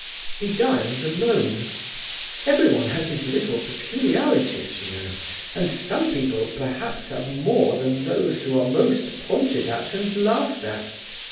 He dines alone. Everyone has his little peculiarities, you know, and some people perhaps have more than those who are most pointed at and laughed at.